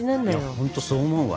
本当そう思うわ。